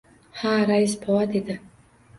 — Ha, rais bova? — dedi.